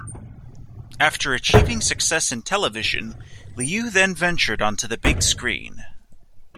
After achieving success in television, Liu then ventured onto the big screen.